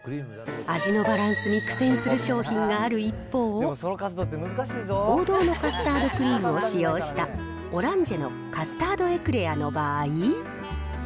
味のバランスに苦戦する商品がある一方、王道のカスタードクリームを使用した、オランジェのカスタードエクレアの場合。